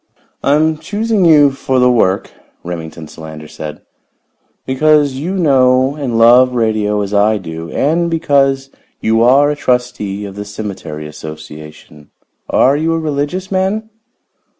"I am choosing you for the work," Remington Solander said, "because you know and love radio as I do, and because you are a trustee of the cemetery association. Are you a religious man?"